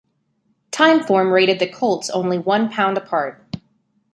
Timeform rated the colts only one pound apart.